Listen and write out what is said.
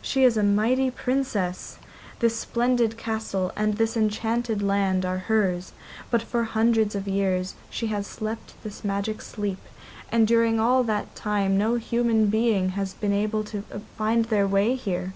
She is a mighty Princess. This splendid castle and this enchanted land are hers, but for hundreds of years she has slept this magic sleep, and during all that time no human being has been able to find their way here.